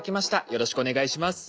よろしくお願いします。